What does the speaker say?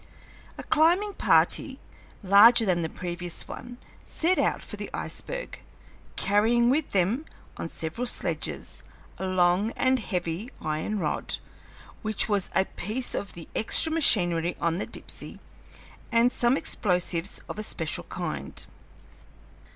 A climbing party, larger than the previous one, set out for the iceberg, carrying with them, on several sledges, a long and heavy iron rod, which was a piece of the extra machinery on the Dipsey, and some explosives of a special kind.